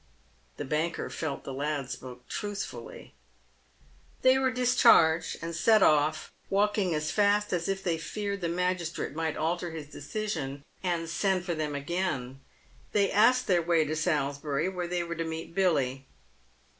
The banker felt the lad spoke truthfully. They were discharged, and set off walking as fast as if they feared the magistrate might alter his decision and send, for them again. They asked their way to Salisbury, where they were to meet Billy.